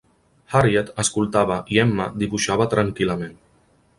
Harriet escoltava i Emma dibuixava tranquil·lament.